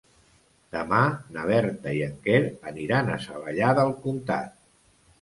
Demà na Berta i en Quer aniran a Savallà del Comtat.